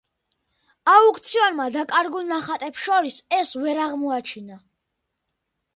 აუქციონმა დაკარგულ ნახატებს შორის ეს ვერ აღმოაჩინა.